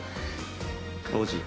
王子。